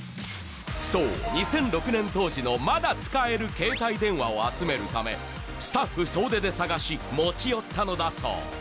そう２００６年当時のまだ使える携帯電話を集めるためスタッフ総出で探し持ち寄ったのだそう